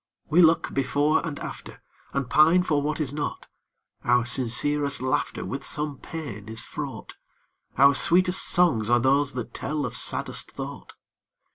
We look before and after, And pine for what is not: Our sincerest laughter With some pain is fraught; Our sweetest songs are those that tell of saddest thought.